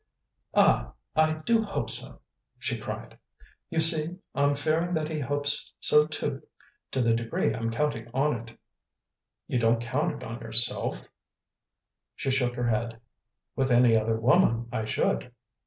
"Ah, I do hope so!" she cried. "You see, I'm fearing that he hopes so too to the degree of counting on it." "You don't count on it yourself?" She shook her head. "With any other woman I should."